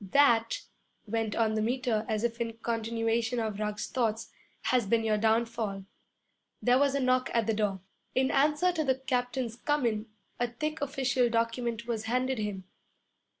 'That,' went on the Meter, as if in continuation of Ruggs's thoughts, 'has been your downfall.' There was a knock at the door. In answer to the captain's 'Come in,' a thick official document was handed him.